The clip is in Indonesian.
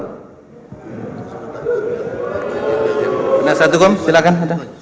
tidak satu kom silahkan